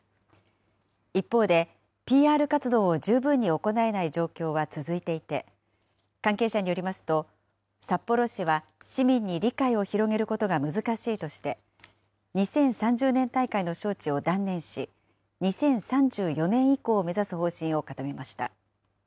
一方で、ＰＲ活動を十分に行えない状況は続いていて、関係者によりますと、札幌市は市民に理解を広げることが難しいとして、２０３０年大会の招致を断念し、２０３４年以降を目指す方針を固めました。